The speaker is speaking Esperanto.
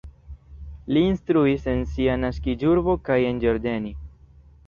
Li instruis en sia naskiĝurbo kaj en Gheorgheni.